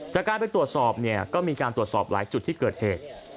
จากการไปตรวจสอบเนี่ยก็มีการตรวจสอบหลายจุดที่เกิดเหตุ